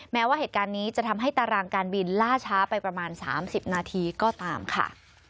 แม้ว่าเหตุการณ์นี้จะทำให้ตารางการบินล่าช้าไปประมาณ๓๐นาทีก็ตามค่ะ